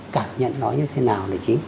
cảm nhận nó như thế nào